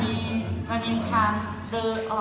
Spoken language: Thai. เดินไปหาเขา